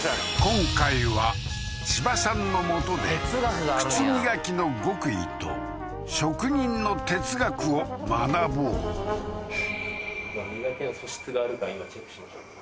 今回は千葉さんのもとで靴磨きの極意と職人の哲学を学ぼう磨きの素質があるか今チェックします